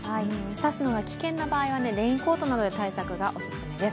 差すのが危険な場合、レインコートでの対策がおすすめです。